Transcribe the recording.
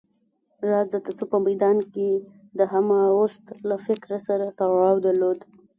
راز د تصوف په ميدان کې د همه اوست له فکر سره تړاو درلود